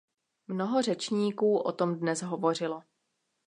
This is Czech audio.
Mnoho řečníků o tom dnes hovořilo.